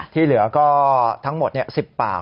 ที่เหลือก็ทั้งหมด๑๐ปาก